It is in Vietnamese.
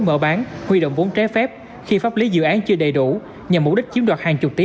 mở bán huy động vốn trái phép khi pháp lý dự án chưa đầy đủ nhằm mục đích chiếm đoạt hàng chục tỷ